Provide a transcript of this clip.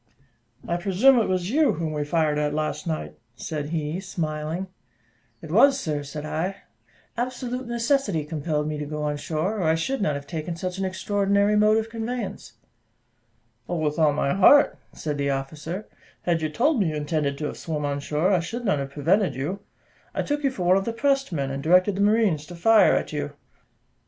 "I presume it was you whom we fired at last night?" said he, smiling. "It was, sir," said I; "absolute necessity compelled me to go on shore, or I should not have taken such an extraordinary mode of conveyance." "Oh, with all my heart," said the officer; "had you told me you intended to have swum on shore, I should not have prevented you; I took you for one of the pressed men, and directed the marines to fire at you."